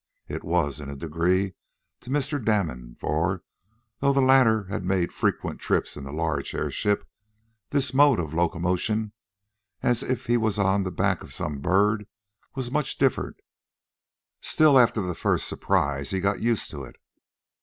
It was, in a degree, to Mr. Damon, for, though the latter had made frequent trips in the large airship, this mode of locomotion, as if he was on the back of some bird, was much different. Still, after the first surprise, he got used to it.